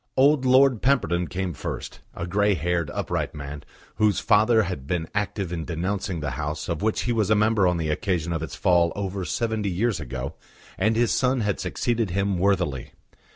Old Lord Pemberton came first, a grey haired, upright man, whose father had been active in denouncing the House of which he was a member on the occasion of its fall over seventy years ago, and his son had succeeded him worthily.